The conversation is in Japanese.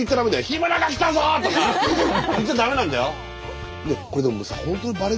「日村が来たぞ！」とか。言っちゃ駄目なんだよ。